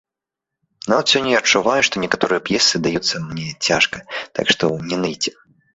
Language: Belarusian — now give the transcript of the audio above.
Нават сёння я адчуваў, што некаторыя п'есы даюцца мне цяжка, так што не ныйце.